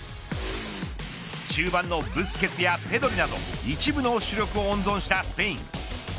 中盤のブスケツやペドリなど一部の主力を温存したスペイン。